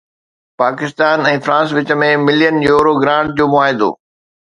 Pakistan ۽ France وچ ۾ million euro grant جو معاهدو